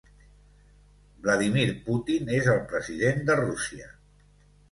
Vladimir Putin és el president de Rússia.